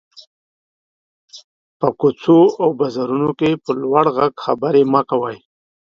په کوڅو او بازارونو کې په لوړ غږ خبري مه کوٸ.